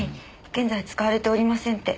「現在使われておりません」